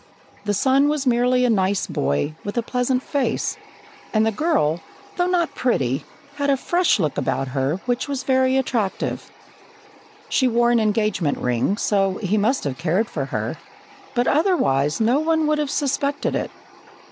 The son was merely a nice boy, with a pleasant face, and the girl, though not pretty, had a fresh look about her which was very attractive. She wore an engagement ring, so he must have cared for her, but otherwise no one would have suspected it.